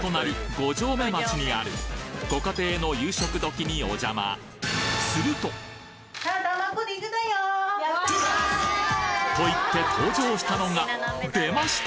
五城目町にあるご家庭の夕食時にお邪魔！と言って登場したのが出ました！